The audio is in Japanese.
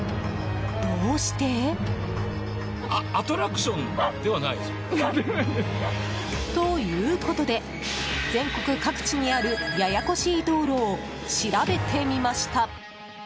どうして？ということで全国各地にあるややこしい道路を調べてみました。